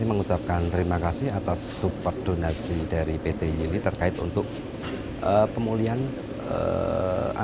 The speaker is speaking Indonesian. mereka menerima kedamaian negeri indonesia